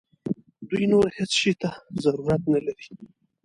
دوی نور هیڅ شي ته ضرورت نه لري.